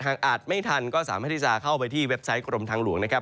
อาจไม่ทันก็สามารถที่จะเข้าไปที่เว็บไซต์กรมทางหลวงนะครับ